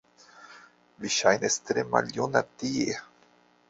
Vi ŝajnas tre maljuna tie